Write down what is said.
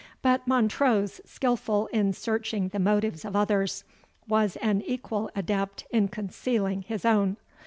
But Montrose, skilful in searching the motives of others, was an equal adept in concealing his own.